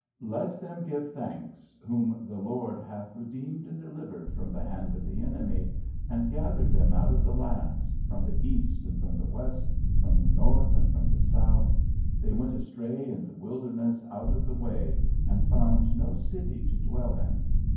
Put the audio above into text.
"'Let them give thanks whom the Lord hath redeemed and delivered from the hand of the enemy, and gathered them out of the lands, from the east, and from the west, from the north, and from the south. They went astray in the wilderness out of the way, and found no city to dwell in.